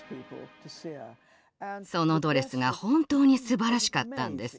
そのドレスが本当にすばらしかったんです。